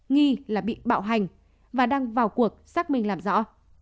nghi là bị bạo hành và đang vào cuộc xác minh làm rõ